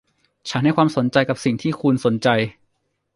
ฉันให้ความสนใจกับสิ่งที่คุณสนใจ